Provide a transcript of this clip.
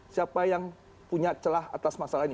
siapa yang punya celah atas masalah ini